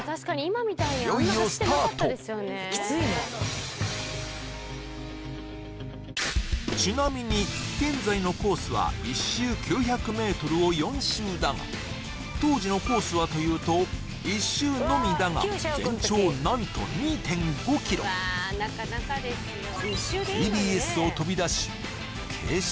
いよいよスタートちなみに現在のコースは１周９００ｍを４周だが当時のコースはというと１周のみだが全長何と２．５ｋｍＴＢＳを飛び出し傾斜